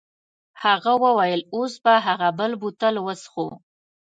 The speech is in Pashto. هغه وویل اوس به هغه بل بوتل وڅښو.